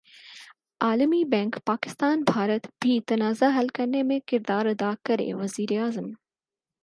عالمی بینک پاکستان بھارت بی تنازعہ حل کرنے میں کردار ادا کرے وزیراعظم